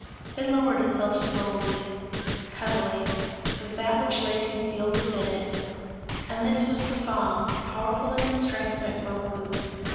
It lowered itself slowly, heavily, with that which lay concealed within it, and this was the "Föhn,"[A] powerful in its strength when it broke loose.